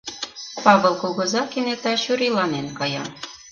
Павыл кугыза кенета чурийланен кая.